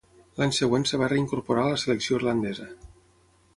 L'any següent es va reincorporar a la selecció irlandesa.